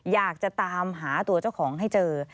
อยากจะตามหาตัวเจ้าของให้เจอ